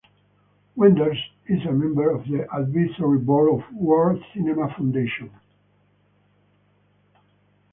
Wenders is a member of the advisory board of World Cinema Foundation.